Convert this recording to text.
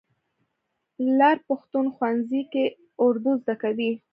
لر پښتون ښوونځي کې اردو زده کوي.